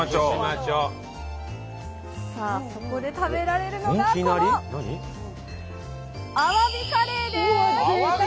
さあそこで食べられるのがこのアワビカレー？